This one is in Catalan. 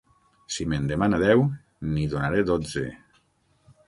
Si me'n demana deu, n'hi donaré dotze.